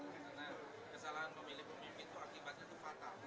karena kesalahan memilih pemimpin itu akibatnya itu patah